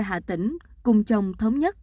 hà tĩnh cùng chồng thống nhất